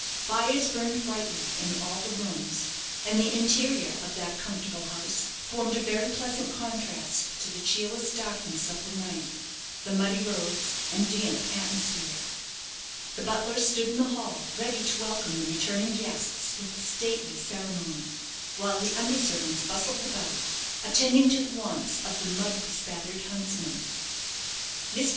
Fires burned brightly in all the rooms, and the interior of that comfortable house formed a very pleasant contrast to the cheerless darkness of the night, the muddy roads, and damp atmosphere. The butler stood in the hall ready to welcome the returning guests with stately ceremony; while the under servants bustled about, attending to the wants of the mud bespattered huntsmen. "Mr.